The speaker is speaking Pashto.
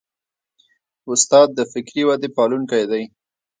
استاد د فکري ودې پالونکی دی.